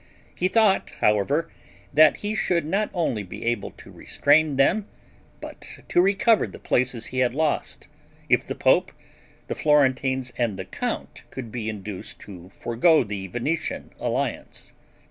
He thought, however, that he should not only be able to restrain them, but to recover the places he had lost, if the pope, the Florentines, and the count could be induced to forego the Venetian alliance.